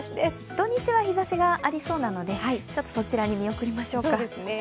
土日は日ざしがありそうなのでそちらに見送りましょうか。